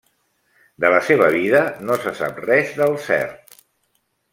De la seva vida no se sap res del cert.